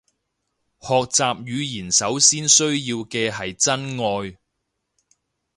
學習語言首先需要嘅係真愛